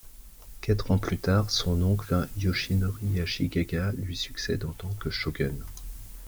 Quatre ans plus tard, son oncle Yoshinori Ashikaga lui succède en tant que shogun.